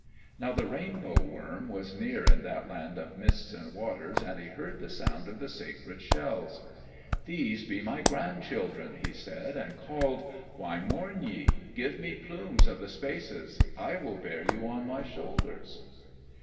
Now the Rainbow worm was near in that land of mists and waters and he heard the sound of the sacred shells. "These be my grandchildren," he said, and called, "Why mourn ye? Give me plumes of the spaces. I will bear you on my shoulders."